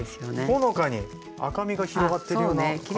ほのかに赤みが広がってるような感じもしますね。